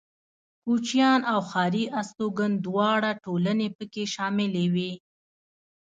کوچيان او ښاري استوگن دواړه ټولنې پکې شاملې وې.